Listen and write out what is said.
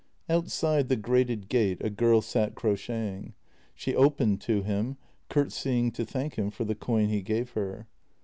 Outside the grated gate a girl sat crocheting. She opened to him, curtseying to thank him for the coin he gave her.